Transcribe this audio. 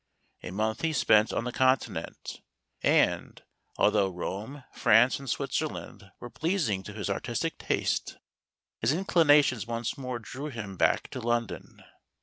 A month he spent on the Continent; and, although Rome, France, and Switzerland were pleasing to his artistic taste, his inclinations once more drew him back to London.